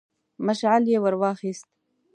مشعل يې ور واخيست.